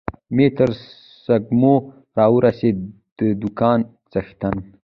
مې تر سږمو را ورسېد، د دوکان څښتن.